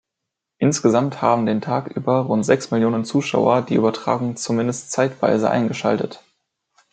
Insgesamt haben den Tag über rund sechs Millionen Zuschauer die Übertragung zumindest zeitweise eingeschaltet.